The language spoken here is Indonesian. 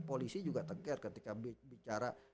polisi juga tengger ketika bicara